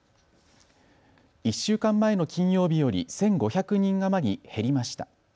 １週間前の金曜日より１５００人余り減りました。